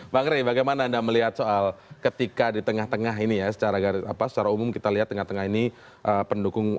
bang rey bagaimana anda melihat soal ketika di tengah tengah ini ya secara umum kita lihat tengah tengah ini pendukung